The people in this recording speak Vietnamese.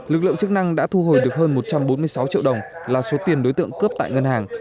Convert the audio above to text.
lực lượng chức năng đã thu hồi được hơn một trăm bốn mươi sáu triệu đồng là số tiền đối tượng cướp tại ngân hàng